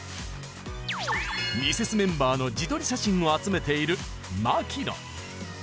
ミセスメンバーの自撮り写真を集めている牧野